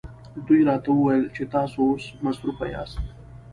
دوی راته وویل چې تاسو اوس مصروفه یاست.